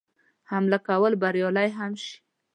حمله کولو بریالی هم شي.